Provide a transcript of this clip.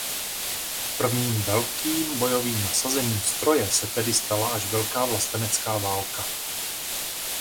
Prvním velkým bojovým nasazením stroje se tedy stala až velká vlastenecká válka.